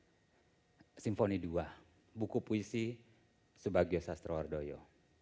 berjudul simfoni ii buku puisi subagyo sastro wardoyo